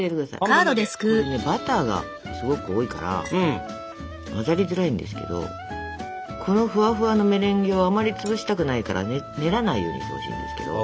これねバターがすごく多いから混ざりづらいんですけどこのふわふわのメレンゲをあまり潰したくないからね練らないようにしてほしいんですけど。